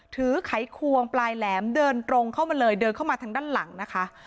ไขควงปลายแหลมเดินตรงเข้ามาเลยเดินเข้ามาทางด้านหลังนะคะ